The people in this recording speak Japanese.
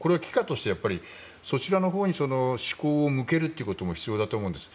これを奇貨としてそちらのほうに向けることも必要だとも思うんです。